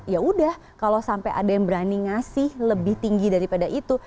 ya udah kalau sampai ada yang berani ngasih lebih tinggi daripada itu